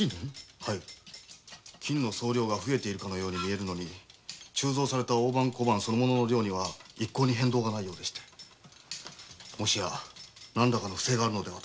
金の総量が増えているかのように見えるのに鋳造された大判小判の量には変動がないようでしてもしや何らかの不正があるのでは。